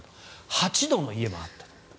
８度の家もあったと。